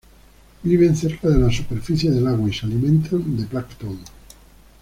Viven cerca de la superficie del agua y se alimentan de plancton.